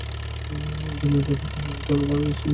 বিনয় পদে পদে তাহাদের দলের ভারতবর্ষের অনেক নিষেধ মানিয়াছে।